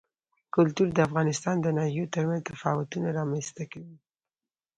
کلتور د افغانستان د ناحیو ترمنځ تفاوتونه رامنځ ته کوي.